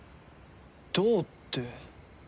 どうって。